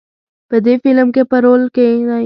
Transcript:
په دې فیلم کې په رول کې دی.